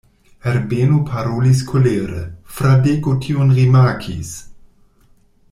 Herbeno parolis kolere: Fradeko tion rimarkis.